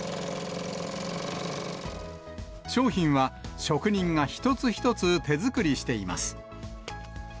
商品は、職人が一つ一つ手作りしています。